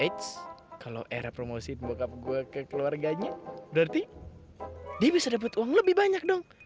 eits kalo era promosiin bokap gue ke keluarganya berarti dia bisa dapet uang lebih banyak dong